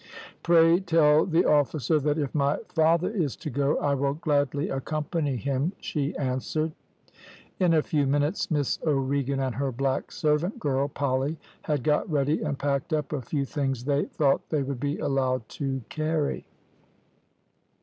"`Pray tell the officer, that if my father is to go I will gladly accompany him,' she answered. "In a few minutes Miss O'Regan and her black servant girl, Polly, had got ready and packed up a few things they thought they would be allowed to carry.